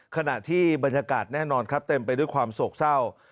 ขณะที่บรรยากาศแน่นอนครับเต็มไปด้วยความโศกเศร้า